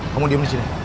kamu diem disini